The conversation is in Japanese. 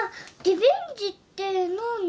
リベンジって何？